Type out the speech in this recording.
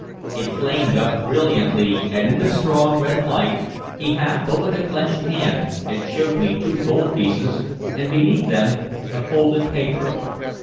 It flamed up brilliantly, and in the strong red light he half opened a clenched hand and showed me two gold pieces, and beneath them a folded paper.